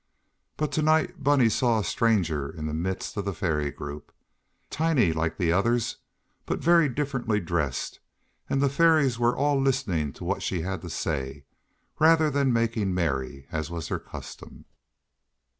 But to night Bunny saw a stranger in the midst of the Fairy group, tiny like the others, but very differently dressed, and the Fairies were all listening to what she had to say, rather than making merry, as was their custom.